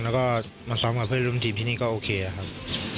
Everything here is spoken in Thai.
แล้วก็มาซ้อมกับเพื่อนร่วมทีมที่นี่ก็โอเคครับ